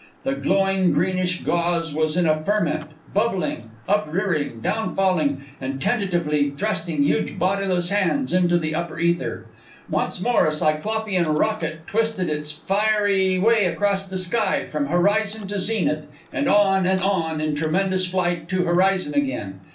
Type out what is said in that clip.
The glowing greenish gauze was in a ferment, bubbling, uprearing, downfalling, and tentatively thrusting huge bodiless hands into the upper ether. Once more a cyclopean rocket twisted its fiery way across the sky, from horizon to zenith, and on, and on, in tremendous flight, to horizon again.